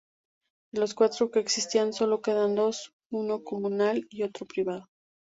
De los cuatro que existían solo quedan dos, uno comunal y otro privado.